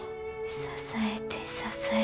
支えて支えて。